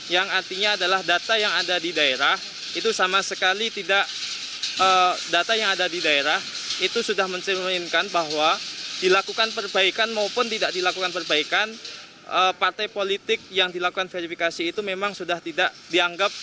yang artinya adalah data yang ada di daerah itu sama sekali tidak data yang ada di daerah itu sudah mencerminkan bahwa dilakukan perbaikan maupun tidak dilakukan perbaikan partai politik yang dilakukan verifikasi itu memang sudah tidak dianggap